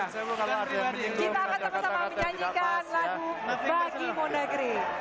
kita akan bersama sama menyanyikan lagu bagi mo negeri